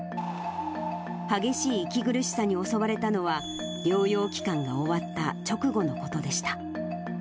激しい息苦しさに襲われたのは、療養期間が終わった直後のことでした。